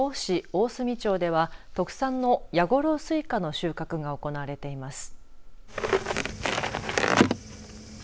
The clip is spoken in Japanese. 大隅町では特産のやごろう西瓜の収穫が行われています。